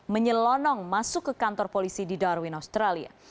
menyelonong masuk ke kantor polisi di darwin australia